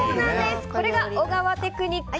これが小川テクニック！